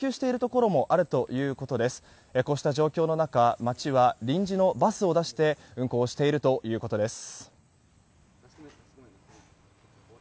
こうした状況の中町は臨時のバスを出して運行しているということです。